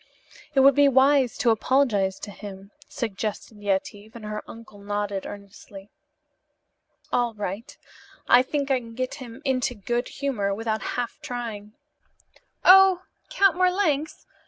"It would be wisdom to apologize to him," suggested Yetive, and her uncle nodded earnestly. "All right. I think I can get him into good humor without half trying. Oh, Count Marlanx!